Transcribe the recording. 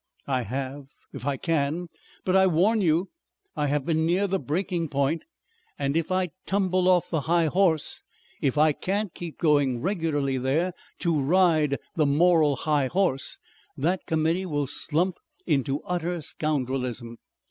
"I have. If I can. But I warn you I have been near breaking point. And if I tumble off the high horse, if I can't keep going regularly there to ride the moral high horse, that Committee will slump into utter scoundrelism.